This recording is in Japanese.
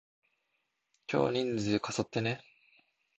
今日人数過疎ってね？